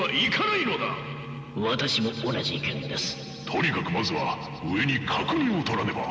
とにかくまずは上に確認をとらねば。